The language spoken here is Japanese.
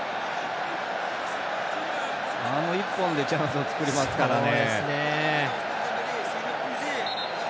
あの１本でチャンスを作りますからね。